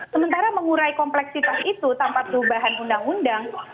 sementara mengurai kompleksitas itu tanpa perubahan undang undang